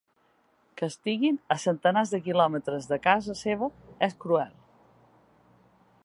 Que estiguin a centenars de quilòmetres de casa seva és cruel.